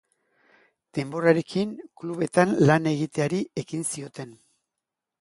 Denborarekin klubetan lan egiteari ekin zioten.